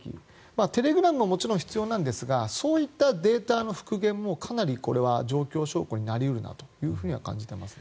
テレグラムももちろん必要なんですがそういったデータの復元もかなり状況証拠になり得るなと感じていますね。